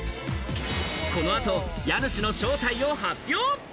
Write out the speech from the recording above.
この後、家主の正体を発表！